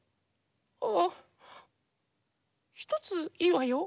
ああひとついいわよ。